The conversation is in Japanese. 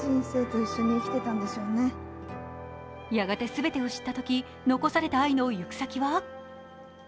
やがて全てを知ったとき残された愛の行く先は？